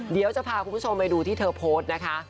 เดี๋ยวจะพาคุณผู้ชมไปดูที่เธอโพสต์นะคะ